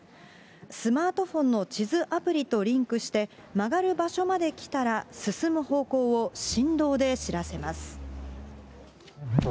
スマートフォンの地図アプリとリンクして、曲がる場所まで来たら進む方向を振動で知らせます。